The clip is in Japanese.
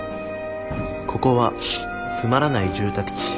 ここはつまらない住宅地。